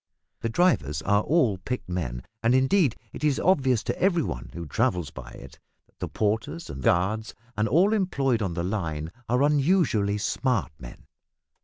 The drivers are all picked men, and indeed it is obvious to every one who travels by it that the porters, and guards, and all employed on the line are unusually smart men.